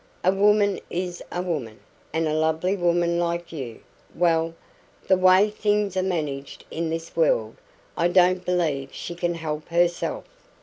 A woman is a woman; and a lovely woman like you well, the way things are managed in this world, I don't believe she can help herself.